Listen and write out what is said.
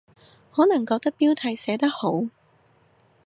可能覺得標題寫得好